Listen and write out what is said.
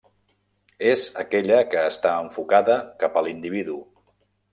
És aquella que està enfocada cap a l'individu.